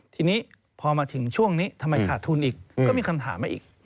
ทีนี้พอมาถึงช่วงนี้ทำไมขาดทุนอีกก็มีคำถามมาอีก